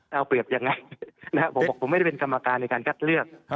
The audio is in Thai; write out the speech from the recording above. เอาเปรียบยังไงผมบอกผมไม่ได้เป็นกรรมการในการคัดเลือก